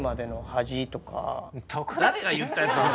誰が言ったやつなの？